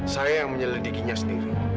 saya yang menyelidikinya sendiri